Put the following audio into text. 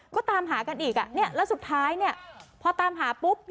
ก็ตามหากันอีกแล้วสุดท้ายเนี่ยพอตามหาปุ๊บ